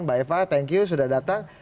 mbak eva thank you sudah datang